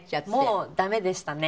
もうダメでしたね。